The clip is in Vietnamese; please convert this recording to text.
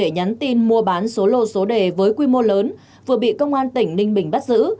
nhắn tin mua bán số lô số đề với quy mô lớn vừa bị công an tỉnh ninh bình bắt giữ